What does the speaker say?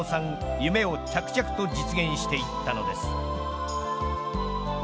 夢を着々と実現していったのです。